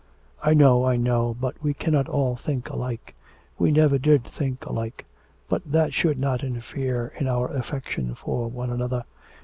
'I know, I know. But we cannot all think alike. We never did think alike. But that should not interfere in our affection for one another.